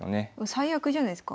最悪じゃないすか。